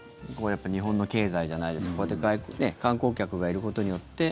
日本の経済じゃないですけどこうやって観光客がいることによって。